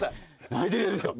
ナイジェリアですか？